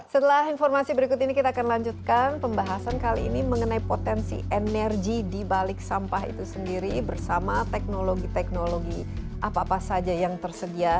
setelah informasi berikut ini kita akan lanjutkan pembahasan kali ini mengenai potensi energi dibalik sampah itu sendiri bersama teknologi teknologi apa apa saja yang tersedia